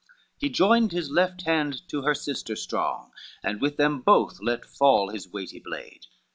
XXIII He joined his left hand to her sister strong, And with them both let fall his weighty blade.